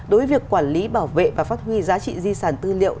đối với việc quản lý bảo vệ và phát huy giá trị di sản tư liệu